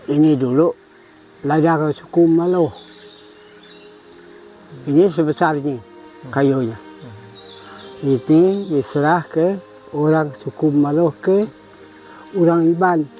ini dulu ladang dari suku maluh ini sebesarnya kayunya ini diserah ke orang suku maluh ke orang iban